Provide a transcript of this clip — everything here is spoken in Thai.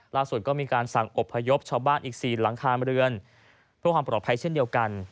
ล่าสุดก็มีการสั่งอบพยพชาวบ้านอีก๔หลังคาเรือนเพื่อความปลอดภัยเช่นเดียวกัน